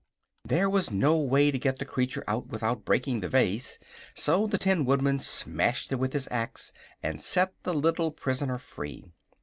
There was no way to get the creature out without breaking the vase, so the Tin Woodman smashed it with his axe and set the little prisoner free.